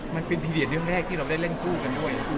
มันเป็นพี่เรียนเรื่องแรกเริ่มธูกันด้วย